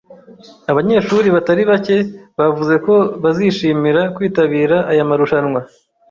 Abanyeshuri batari bake bavuze ko bazishimira kwitabira aya marushanwa.